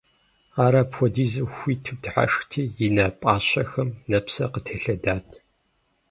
Ар апхуэдизу хуиту дыхьэшхти, и нэ пӀащэхэм нэпсыр къытелъэдат.